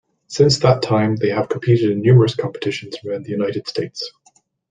Since that time, they have competed in numerous competitions around the United States.